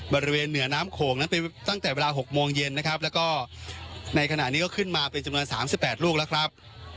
บริเวณเหนือน้ำโขงนั้นตั้งแต่เวลา๖โมงเย็นนะครับแล้วก็ในขณะนี้ก็ขึ้นมาเป็นจำนวน๓๘ลูกแล้วครับ